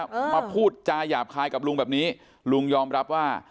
อืมมาพูดจาหยาบคายกับลุงแบบนี้ลุงยอมรับว่า